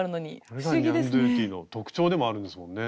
これがニャンドゥティの特徴でもあるんですもんね。